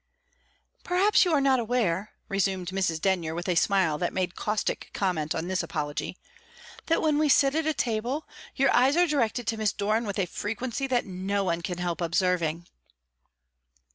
"Perhaps you are not aware," resumed Mrs. Denyer, with a smile that made caustic comment on this apology, "that, when we sit at table, your eyes are directed to Miss Doran with a frequency that no one can help observing."